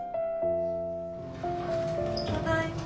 ただいま。